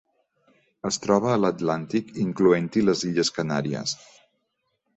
Es troba a l'Atlàntic, incloent-hi les Illes Canàries.